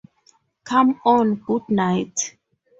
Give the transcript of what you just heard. Come on, good night!